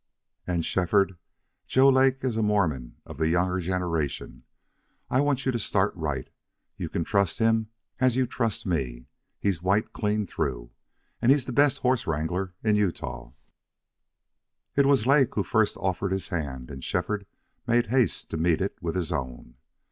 And, Shefford, Joe Lake is a Mormon of the younger generation. I want to start you right. You can trust him as you trust me. He's white clean through. And he's the best horse wrangler in Utah." It was Lake who first offered his hand, and Shefford made haste to meet it with his own.